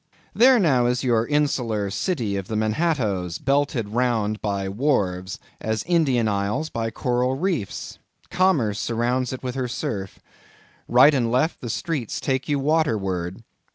There now is your insular city of the Manhattoes, belted round by wharves as Indian isles by coral reefs—commerce surrounds it with her surf. Right and left, the streets take you waterward.